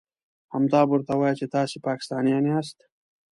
همدا به ورته وايئ چې تاسې پاکستانيان ياست.